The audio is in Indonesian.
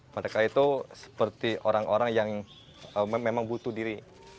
mereka itu seperti orang orang yang memang butuh diri